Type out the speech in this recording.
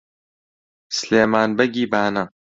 سلێمان بەگی بانە